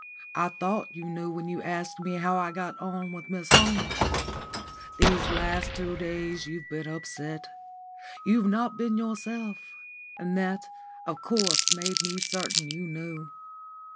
I thought you knew when you asked me how I got on with Miss Holmes. These last two days you've been upset. You've not been yourself. And that of course made me certain you knew.